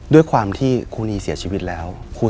ด้วยความที่ครูนีเสียชีวิตแล้ว